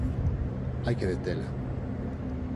Hai que detela.